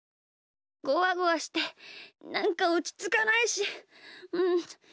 ゴワゴワしてなんかおちつかないしちょっといたい。